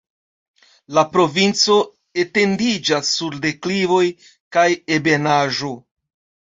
La provinco etendiĝas sur deklivoj kaj ebenaĵo.